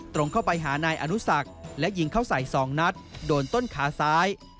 ตรงเข้าไปหานายอนุสักและยิงเข้าใส่๒นัดโดนต้นขาซ้าย